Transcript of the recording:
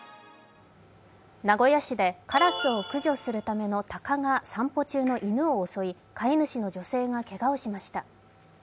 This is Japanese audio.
名古屋市でカラスを駆除するためのタカが散歩中の犬を襲い飼い主の女性がけがをしました。